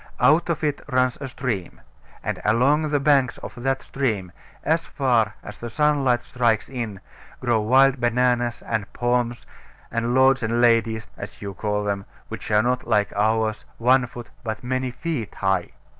Out of it runs a stream; and along the banks of that stream, as far as the sunlight strikes in, grow wild bananas, and palms, and lords and ladies (as you call them), which are not, like ours, one foot, but many feet high.